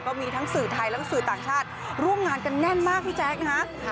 ก็มีทั้งสื่อไทยแล้วก็สื่อต่างชาติร่วมงานกันแน่นมากพี่แจ๊คนะฮะ